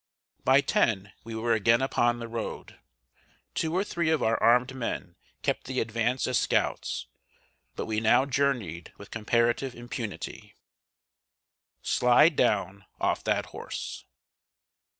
By ten we were again upon the road. Two or three of our armed men kept the advance as scouts, but we now journeyed with comparative impunity. [Sidenote: "SLIDE DOWN OFF THAT HORSE."